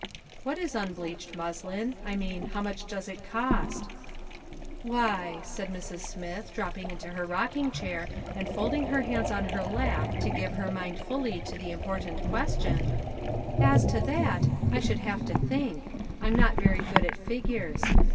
" What is unbleached muslin ? I mean, how much does it cost ?"" Why," said Mrs. Smith, dropping into her rocking chair, and folding her hands on her lap to give her mind fully to the important question, "as to that, I should have to think; I'm not very good at figures.